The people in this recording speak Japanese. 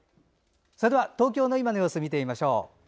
それでは東京の今の様子をご覧いただきましょう。